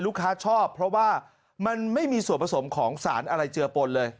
ชอบเพราะว่ามันไม่มีส่วนผสมของสารอะไรเจือปนเลย